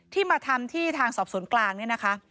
ที่มาทำที่ทางสอบศูนย์กลางนี่นะคะ